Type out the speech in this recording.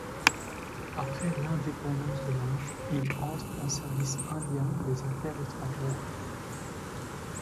Après l'indépendance de l'Inde, il entre en service indien des Affaires étrangères.